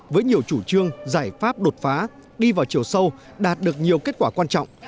với nhiều chủ trương giải pháp đột phá đi vào chiều sâu đạt được nhiều kết quả quan trọng